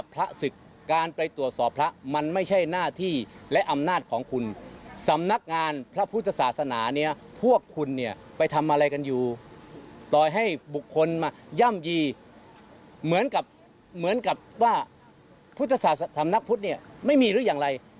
พุทธศาสตร์สำนักพุทธนี่ไม่มีหรืออย่างไร